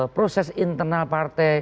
proses internal partai